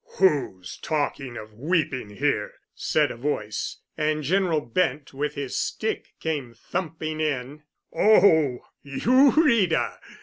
"Who's talking of weeping here?" said a voice. And General Bent, with his stick, came thumping in. "Oh—you, Rita?"